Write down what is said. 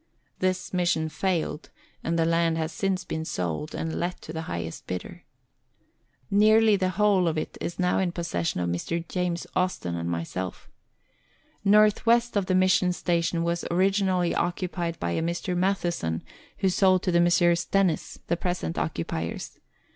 This mission failed, and the land has since been sold, and let to the highest bidder. Nearly the whole 140 Letters from Victorian Pioneers. of it is now in possession of Mr. James Austin and myself. North west of the Mission Station was originally occupied by a Mr. Matheson, who sold to the Messrs. Dennis, the present occupiers.